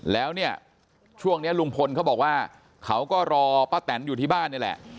แล้วเนี่ยช่วงนี้ลุงพลเขาบอกว่าเขาก็รอป้าแตนอยู่ที่บ้านนี่แหละ